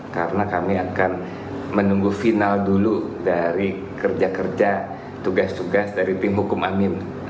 karena kami akan menunggu final dulu dari kerja kerja tugas tugas dari tim hukum amim